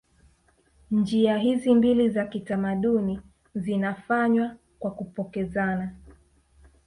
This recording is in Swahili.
Njia hizi mbili za kitamaduni zinafanywa kwa kupokezana